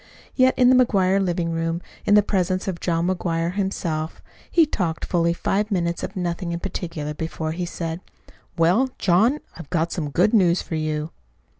Yet in the McGuire living room, in the presence of John McGuire himself, he talked fully five minutes of nothing in particular, before he said: "Well, John, I've got some good news for you."